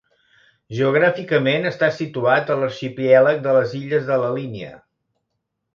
Geogràficament està situat a l'arxipèlag de les illes de la Línia.